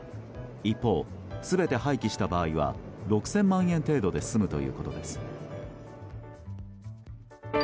一方、全て廃棄した場合は６０００万円程度で済むということです。